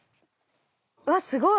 うわっすごい！